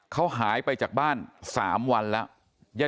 เขาหายไปจากบ้าน๓วันแล้ว